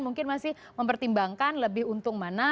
mungkin masih mempertimbangkan lebih untung mana